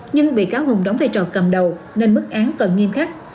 nhưng bị cáo hùng đóng thay trò cầm đầu nên mức án còn nghiêm khắc